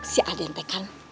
si adeknya kan